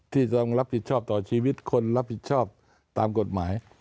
ที่ต้องรับผิดชอบต่อชีวิตคนรับผิดชอบตามกฎหมาย